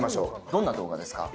どんな動画ですか？